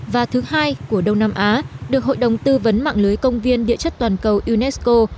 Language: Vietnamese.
và thứ hai của đông nam á được hội đồng tư vấn mạng lưới công viên địa chất toàn cầu unesco